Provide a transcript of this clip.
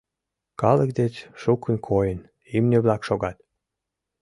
Калык деч шукын койын, имне-влак шогат.